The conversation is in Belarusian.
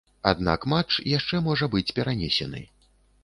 Аднак матч яшчэ можа быць перанесены.